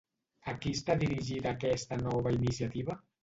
A qui està dirigida aquesta nova iniciativa?